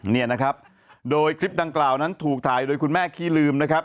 เนี่ยนะครับโดยคลิปดังกล่าวนั้นถูกถ่ายโดยคุณแม่ขี้ลืมนะครับ